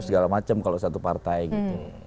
segala macam kalau satu partai gitu